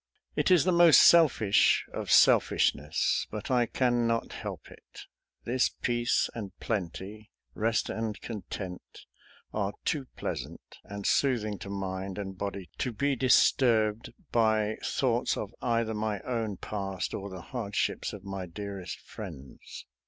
It is the most selfish of selfishness, but I can not help it. This peace and plenty, rest and content, are too pleasant and soothing to mind and body to be disturbed by thoughts of either my own past or the hardships of my dearest friends.